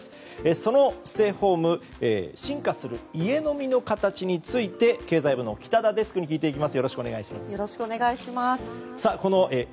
そのステイホーム進化する家飲みの形について経済部の北田デスクに聞いていきます。